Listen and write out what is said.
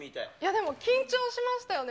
でも緊張しましたよね。